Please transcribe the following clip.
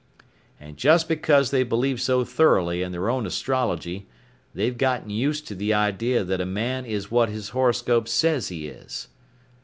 "And just because they believe so thoroughly in their own astrology they've gotten used to the idea that a man is what his horoscope says he is."